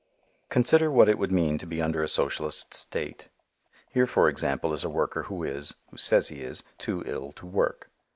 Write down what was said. Consider what it would mean to be under a socialist state. Here for example is a worker who is, who says he is, too ill to work.